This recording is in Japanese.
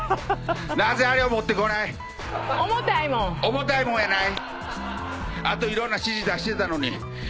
「重たいもん」やない。